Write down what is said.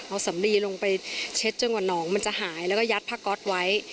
เอาสำลีลงไปเช็ดจนกว่าหนองมันจะหายแล้วก็ยัดผ้าก๊อตไว้